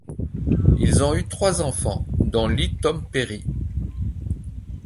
Ils ont eu trois enfants, dont Lee Tom Perry.